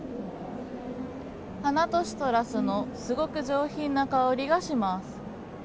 花とシトラスのすごく上品な香りがします。